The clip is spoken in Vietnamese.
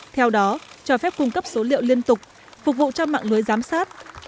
theo đó cho phép cung cấp số liệu liên tục phục vụ cho mạng lưới giám sát